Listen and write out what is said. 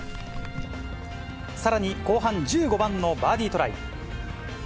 さらに後半１５番のバーディートライ。